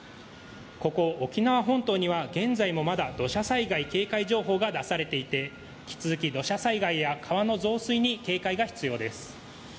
ここ沖縄本島には現在もまだ土砂災害警戒情報が出されていて引き続き土砂災害や川の増水に警戒が必要です。